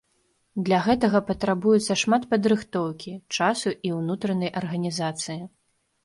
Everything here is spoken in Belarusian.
Для гэтага патрабуецца шмат падрыхтоўкі, часу і ўнутранай арганізацыі.